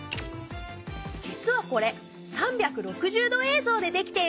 実はこれ３６０度映像で出来ているんだ。